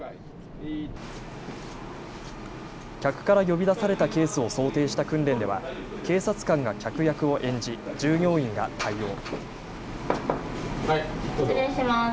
客から呼び出されたケースを想定した訓練では警察官が客役を演じ従業員が対応。